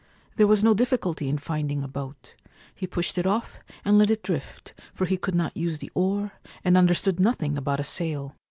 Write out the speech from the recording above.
There was no difficulty in finding a boat. He pushed it off and let it drift, for he could not use the oar, and understood nothing about a sail.